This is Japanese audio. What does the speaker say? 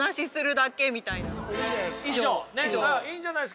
いいんじゃないですか？